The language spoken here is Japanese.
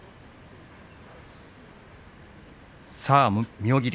妙義龍。